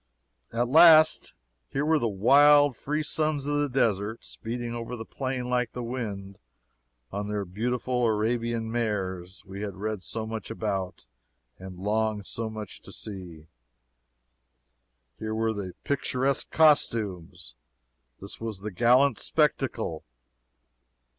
At last, here were the "wild, free sons of the desert, speeding over the plain like the wind, on their beautiful Arabian mares" we had read so much about and longed so much to see! Here were the "picturesque costumes!" This was the "gallant spectacle!"